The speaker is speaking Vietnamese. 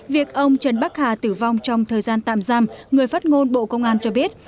việc ông trần bắc hà tử vong trong thời gian tạm giam người phát ngôn bộ công an cho biết